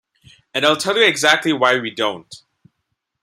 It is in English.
And I'll tell you exactly why we don't.